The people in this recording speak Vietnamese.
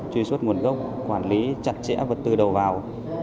truy xuất nguồn gốc quản lý chặt chẽ từ đầu vào